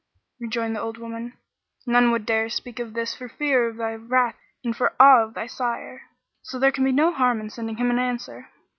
Rejoined the old woman "None would dare speak of this for fear of thy wrath and for awe of thy sire; so there can be no harm in sending him an answer."